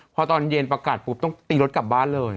พอตอนเย็นประกาศปุ๊บต้องตีรถกลับบ้านเลย